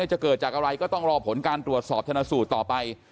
จะเกิดจากอะไรก็ต้องรอผลการตรวจสอบชนะสูตรต่อไป